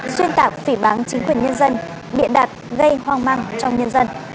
xuyên tạo phỉ bán chính quyền nhân dân biện đạt gây hoang măng trong nhân dân